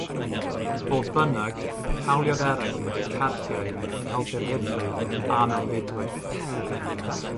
Fodd bynnag, hawliodd eraill fod y cardiau yn helpu'r heddlu a mewnfudwyr.